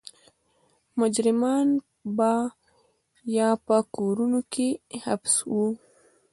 مجرمان به یا په کورونو کې حبس وو.